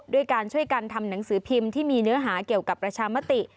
ด้วยการช่วยกันทำหนังสือพิมพ์ที่มีเนื้อหาเกี่ยวกับประชามติ